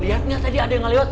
lihatnya tadi ada yang ngelihat